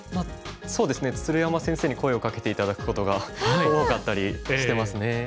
そうですね鶴山先生に声をかけて頂くことが多かったりしてますね。